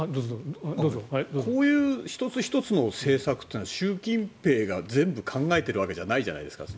こういう１つ１つの政策っていうのは習近平が全部、考えてるわけじゃないじゃないですか。